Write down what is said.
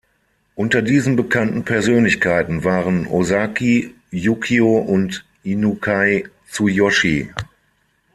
Unter diesen bekannten Persönlichkeiten waren Ozaki Yukio und Inukai Tsuyoshi.